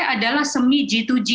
adalah semi g dua g